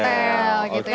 jadi kalau disini